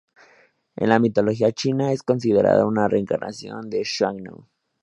En la mitología china, es considerada una reencarnación de Xuan Nu.